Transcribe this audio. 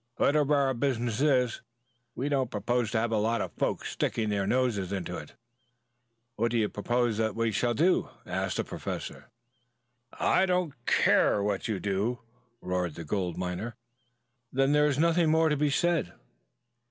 Whatever our business is, we don't propose to have a lot of folks sticking their noses into it." "What do you propose that we shall do?" asked Professor Zepplin. "I don't care what you do," roared the gold digger. "Then there is nothing more to be said."